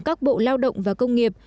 các bộ lao động và công nghiệp